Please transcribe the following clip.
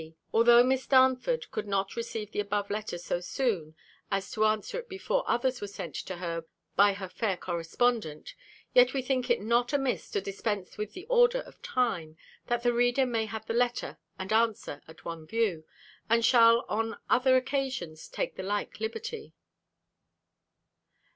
B. Although Miss Darnford could not receive the above letter so soon, as to answer it before others were sent to her by her fair correspondent; yet we think it not amiss to dispense with the order of time, that the reader may have the letter and answer at one view, and shall on other occasions take the like liberty.